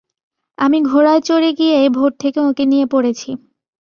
আমি ঘোড়ায় চড়ে গিয়েই ভোর থেকে ওঁকে নিয়ে পড়েছি।